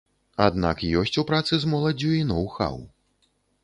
Аднак ёсць у працы з моладдзю і ноў-хаў.